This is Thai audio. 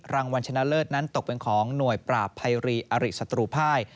รางวัลชนะเลิศนั้นตกเป็นของหน่วยปราบภัยรีอริสัตรูภาย